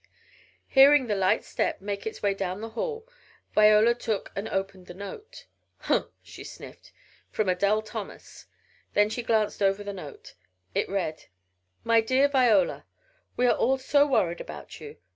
Hearing the light step make its way down the hall Viola took and opened the note. "Humph!" she sniffed, "from Adele Thomas." Then she glanced over the note. It read: MY DEAR VIOLA: We are all so worried about you.